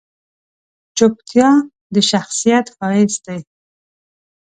چپتیا، د شخصیت ښایست دی.